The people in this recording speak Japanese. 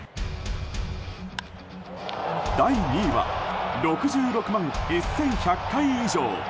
第２位は６６万１１００回以上。